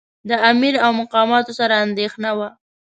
د امیر او مقاماتو سره اندېښنه وه.